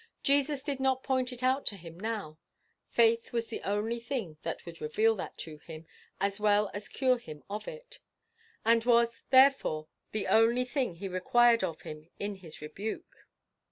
Jesus did not point it out to him now. Faith was the only thing that would reveal that to him, as well as cure him of it; and was, therefore, the only thing he required of him in his rebuke.